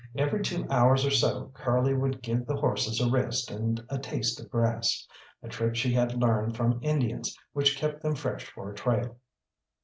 Every two hours or so Curly would give the horses a rest and a taste of grass a trick she had learned from Indians, which kept them fresh for a trail.